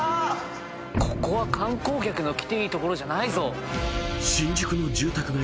ここは観光客の来ていい所じゃないぞ。